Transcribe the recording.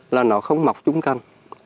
là nó không mọc trúng căn